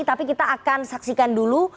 tapi kita akan saksikan dulu